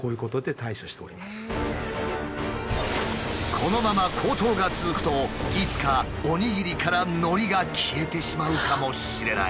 このまま高騰が続くといつかおにぎりからのりが消えてしまうかもしれない。